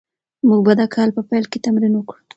موږ به د کال په پیل کې تمرین وکړو.